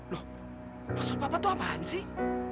loh maksud papa itu apaan sih